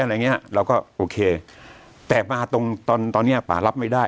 อะไรอย่างเงี้ยเราก็โอเคแต่มาตรงตอนตอนเนี้ยป่ารับไม่ได้